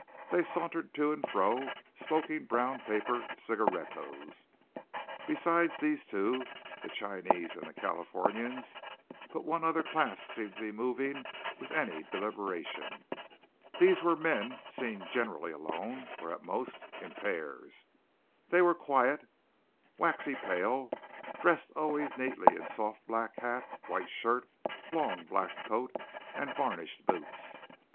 They sauntered to and fro smoking brown paper cigarettos. Beside these two, the Chinese and the Californians, but one other class seemed to be moving with any deliberation. These were men seen generally alone, or at most in pairs. They were quiet, waxy pale, dressed always neatly in soft black hat, white shirt, long black coat, and varnished boots.